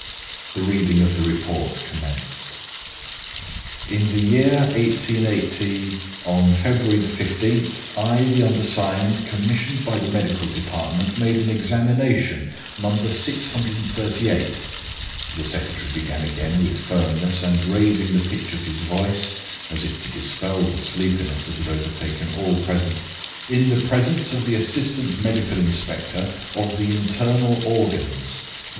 The reading of the report commenced. "In the year 188 , on February 15th, I, the undersigned, commissioned by the medical department, made an examination, No. 638," the secretary began again with firmness and raising the pitch of his voice as if to dispel the sleepiness that had overtaken all present, "in the presence of the assistant medical inspector, of the internal organs: "1.